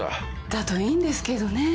だといいんですけどね。